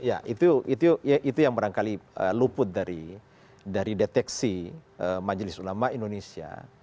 ya itu yang barangkali luput dari deteksi majelis ulama indonesia